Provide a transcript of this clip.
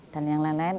dan yang lain lain